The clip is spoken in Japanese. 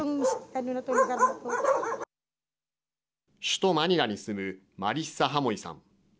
首都マニラに住むマリッサ・ハモイさん。